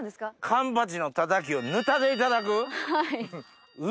カンパチのたたきをぬたでいただく？